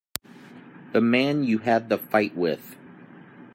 The man you had the fight with.